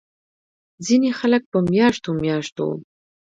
ځينې خلک پۀ مياشتو مياشتو